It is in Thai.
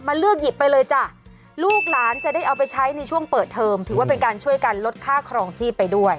เลือกหยิบไปเลยจ้ะลูกหลานจะได้เอาไปใช้ในช่วงเปิดเทอมถือว่าเป็นการช่วยกันลดค่าครองชีพไปด้วย